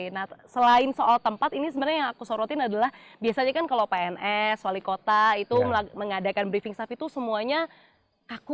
nah selain soal tempat ini sebenarnya yang aku sorotin adalah biasanya kan kalau pns wali kota itu mengadakan briefing staff itu semuanya aku